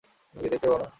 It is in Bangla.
তুমি কি দেখতে পাওনা?